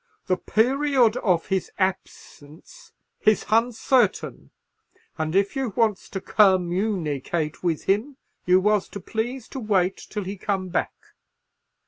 The period of his habsence is huncertain, and if you wants to kermoonicate with him, you was to please to wait till he come back."